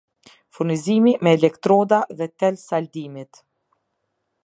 Furnizim me elektroda dhe tel saldimit